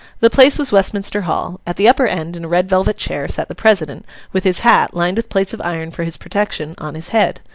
The place was Westminster Hall. At the upper end, in a red velvet chair, sat the president, with his hat (lined with plates of iron for his protection) on his head.